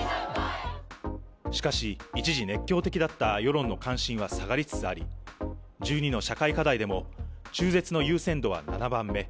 しかし、一時熱狂的だった世論の関心は下がりつつあり、１２の社会課題でも、中絶の優先度は７番目。